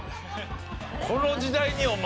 この時代にお前。